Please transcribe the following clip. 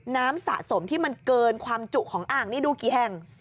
สะสมที่มันเกินความจุของอ่างนี่ดูกี่แห่ง